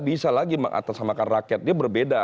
bisa lagi mengatasamakan rakyatnya berbeda